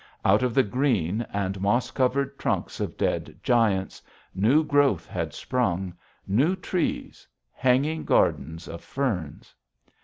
Out of the green and moss covered trunks of dead giants, new growth had sprung, new trees, hanging gardens of ferns.